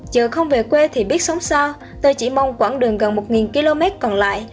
chờ không về quê thì biết sống xa tôi chỉ mong quãng đường gần một km còn lại